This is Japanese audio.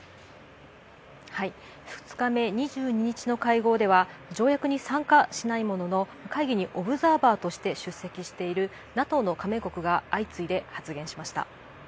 ２日目２２日の会合では条約に参加しないものの会議にオブザーバーとして出席しているＮＡＴＯの加盟国が相次いで発言しました。